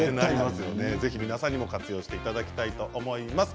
ぜひ皆さんも活用していただきたいと思います。